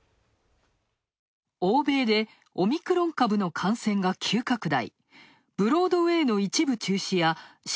欧米でオミクロン株の感染が急拡大。